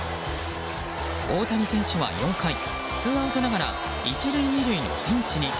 大谷選手は４回ツーアウトながら１塁２塁のピンチに。